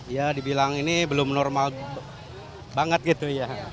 ya dibilang ini belum normal banget gitu ya